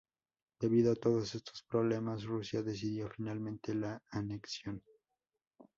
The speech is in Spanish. Debido a todos estos problemas, Rusia decidió finalmente la anexión.